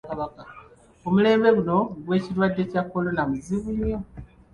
Omulembe guuno ogw'ekirwadde kya kkolona muzibu nnyo.